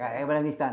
seperti di afghanistan